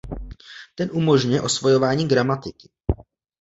Ten umožňuje osvojování gramatiky.